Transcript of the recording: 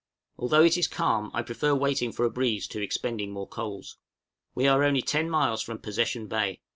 Although it is calm I prefer waiting for a breeze to expending more coals. We are only ten miles from Possession Bay.